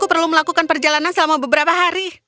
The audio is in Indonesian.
perlu melakukan perjalanan selama beberapa hari